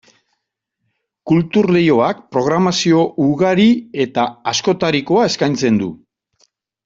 Kultur Leioak programazio ugari eta askotarikoa eskaintzen du.